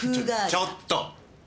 ちょっと！